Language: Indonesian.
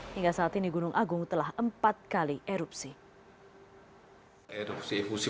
hingga saat ini gunung agung telah empat kali erupsi